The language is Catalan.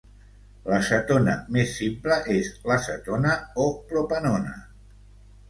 La cetona més simple és l'acetona o propanona.